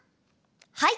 はい。